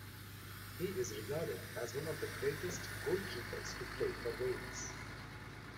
He is regarded as one of the greatest goalkeepers to play for Wales.